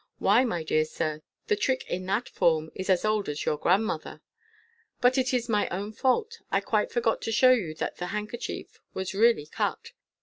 Why, my dear sir, the trick in that form is as old as — your grandmother. But it is my own fault j I quite forgot to show you that the handkerchief was really cut.